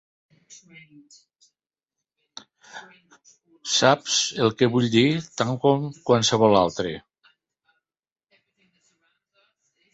Saps el que vull dir tant com qualsevol altre.